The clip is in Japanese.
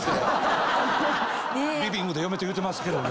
リビングで嫁と言うてますけどね。